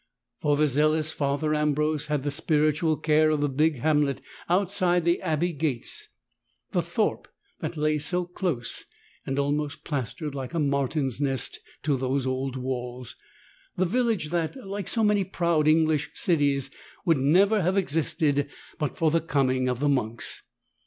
For the zealous Father Ambrose had the spiritual care of the big hamlet outside the abbey gates — "the thorpe that lay so close, and almost plaster'd like a martin's nest to those old walls" — the village that, like so many proud English cities, would never have existed but for the coming of the monks.